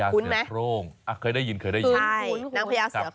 คุ้นมั้ย